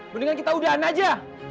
mendingan kita udahan aja